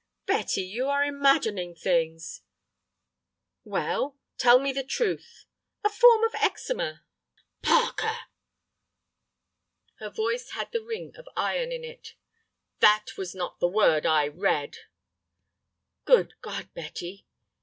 "Betty, you are imagining things—" "Well, tell me the truth." "A form of eczema." "Parker!" Her voice had the ring of iron in it. "That was not the word I read." "Good God, Betty!"